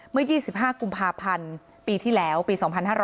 เมื่อ๒๕กุมภาพันธ์ปีที่แล้วปี๒๕๕๙